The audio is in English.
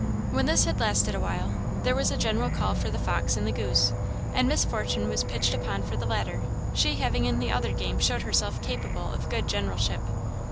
When this had lasted awhile, there was a general call for "the fox and the goose," and Miss Fortune was pitched upon for the latter, she having in the other game showed herself capable of good generalship.